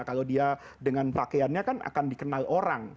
kalau dia dengan pakaiannya kan akan dikenal orang